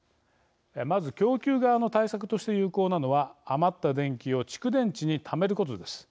まず、供給側の対策として有効なのは、余った電気を蓄電池にためることです。